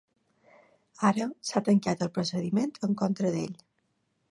Ara, s’ha tancat el procediment en contra d’ell.